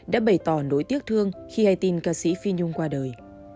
đã bày tỏ nỗi tiếc thương khi hai tin ca sĩ phi nhung qua đời